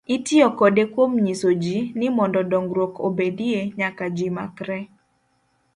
Itiyo kode kuom nyiso ji, ni mondo dongruok obedie, nyaka ji makre.